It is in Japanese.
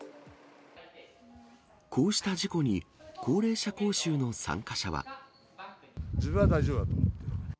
こうした事故に、自分は大丈夫だと思ってる。